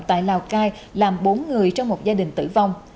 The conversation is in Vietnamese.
tại lào cai làm bốn người trong một gia đình tử vong